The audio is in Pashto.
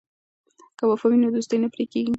که وفا وي نو دوستي نه پرې کیږي.